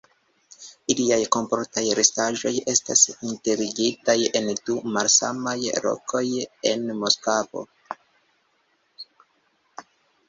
Iliaj korpaj restaĵoj estas enterigitaj en du malsamaj lokoj en Moskvo.